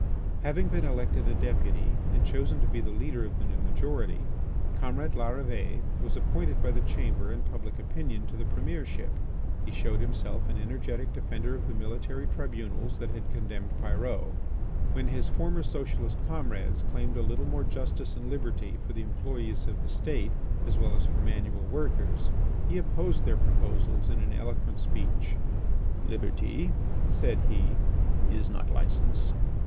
Having been elected a Deputy and chosen to be the leader of the new majority, comrade Larrivée was appointed by the Chamber and public opinion to the Premiership. He showed himself an energetic defender of the military tribunals that had condemned Pyrot. When his former socialist comrades claimed a little more justice and liberty for the employés of the State as well as for manual workers, he opposed their proposals in an eloquent speech. "Liberty," said he, "is not licence.